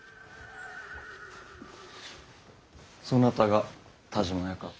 そなたが田嶋屋か？